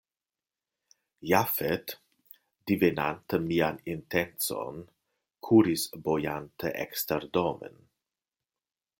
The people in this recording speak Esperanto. Jafet, divenante mian intencon, kuris bojante eksterdomen.